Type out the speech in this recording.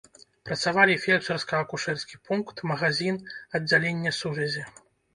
Працавалі фельчарска-акушэрскі пункт, магазін, аддзяленне сувязі.